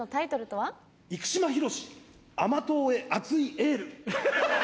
「生島ヒロシ甘党へ熱いエール！」。